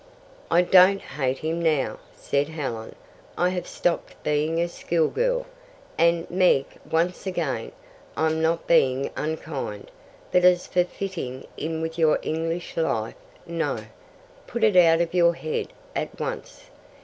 "I don't hate him now," said Helen. "I have stopped being a schoolgirl, and, Meg, once again, I'm not being unkind. But as for fitting in with your English life no, put it out of your head at once.